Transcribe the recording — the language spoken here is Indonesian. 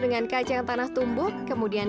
dengan kacang tanah tumbuk kemudian